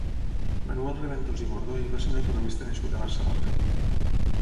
Manuel Reventós i Bordoy va ser un economista nascut a Barcelona.